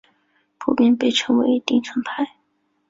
普遍被称为町村派。